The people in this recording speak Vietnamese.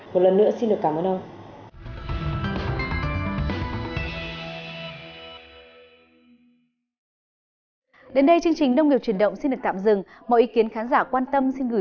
một lần nữa xin được cảm ơn ông